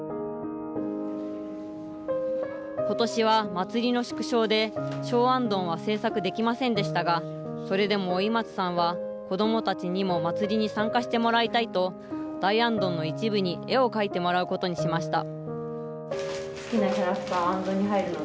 ことしは祭りの縮小で小行燈は製作できませんでしたが、それでも老松さんは、子どもたちにも祭りに参加してもらいたいと、大行燈の一部に絵を描いてもらうことにしました。